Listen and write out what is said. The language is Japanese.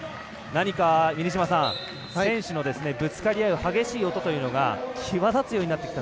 選手のぶつかり合う激しい音というのが際立つようになってきた。